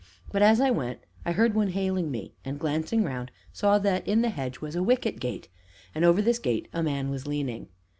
But, as I went, I heard one hailing me, and glancing round, saw that in the hedge was a wicket gate, and over this gate a man was leaning.